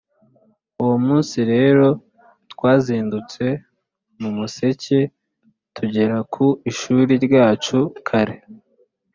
uwo munsi rero twazindutse mu museke tugera ku ishuri ryacu kare